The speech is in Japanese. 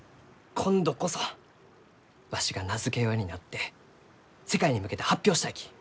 今度こそわしが名付け親になって世界に向けて発表したいき。